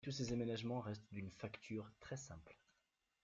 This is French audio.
Mais tous ces aménagements restent d'une facture très simple.